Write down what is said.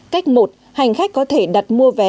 cách một hành khách có thể đặt mua vé